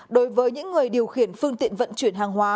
đối với những người điều khiển phương tiện vận chuyển hàng hóa